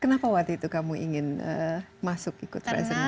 kenapa waktu itu kamu ingin masuk ikut the resonance